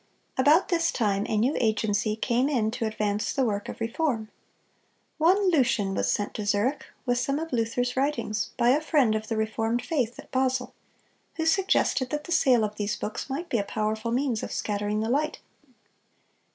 (252) About this time a new agency came in to advance the work of reform. One Lucian was sent to Zurich with some of Luther's writings, by a friend of the reformed faith at Basel, who suggested that the sale of these books might be a powerful means of scattering the light.